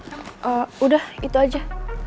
eee udah itu aja